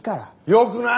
よくない！